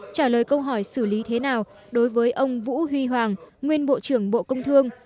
trả lời câu hỏi xử lý thế nào đối với ông vũ huy hoàng nguyên bộ trưởng bộ công thương